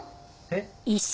えっ？